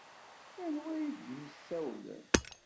Anwa ay d-yessawlen?